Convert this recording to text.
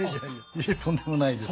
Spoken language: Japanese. いえとんでもないです。